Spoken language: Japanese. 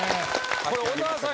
これ小沢さん